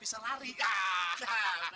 iya siapa yang melakukan ini